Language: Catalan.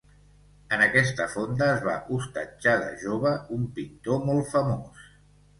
En aquesta fonda es va hostatjar de jove un pintor molt famós.